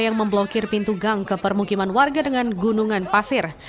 yang memblokir pintu gang ke permukiman warga dengan gunungan pasir